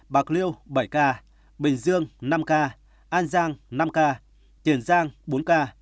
bạc liêu bảy ca bình dương năm ca an giang năm ca tiền giang bốn ca